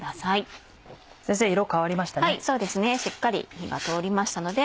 先生色変わりましたね。